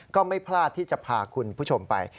ก็ไม่พลาดที่จะพาคุณผู้ชมไป